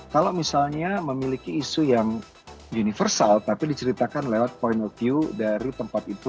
kalau misalnya memiliki isu yang universal tapi diceritakan lewat point of view